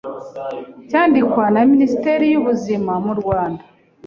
cyandikwa na Minisiteri y'Ubuzima mu Rwanda